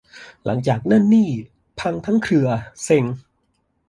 หลังจากนั้นนี่พังทั้งเครือ เซ็ง